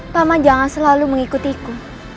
paman jangan selalu mengikutiku